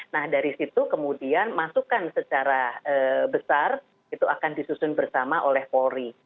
nah dari situ kemudian masukan secara besar itu akan disusun bersama oleh polri